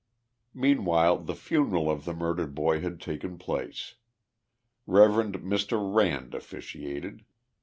Meanwhile the funeral of the murdered boy had taken place. Ilev. Mr. Rand officiated.